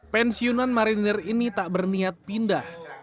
pensiunan marinir ini tak berniat pindah